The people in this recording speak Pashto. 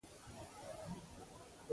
د لیک او لوست چټکه وده هم ده.